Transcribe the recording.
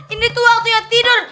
ini tuh waktunya tidur